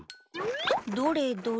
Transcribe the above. どれどれ？